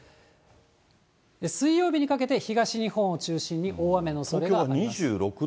水曜日にかけて東日本を中心に大雨のおそれがあります。